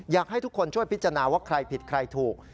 อยากให้ทุกคนช่วยพิจารณาว่าใครผิดใครถูก